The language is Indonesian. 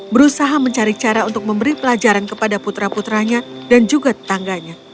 berusaha mencari cara untuk memberi pelajaran kepada putra putranya dan juga tetangganya